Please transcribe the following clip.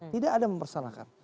tidak ada mempermasalahkan